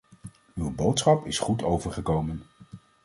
Uw boodschap is goed overgekomen.